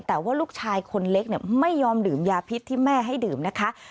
แต่ว่าลูกชายคนเล็กเนี่ยไม่ยอมดื่มยาพิษที่แม่ให้ดื่มนะคะ